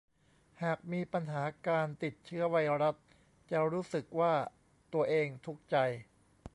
หากมีปัญหาการติดเชื้อไวรัสจะรู้สึกว่าตัวเองทุกข์ใจ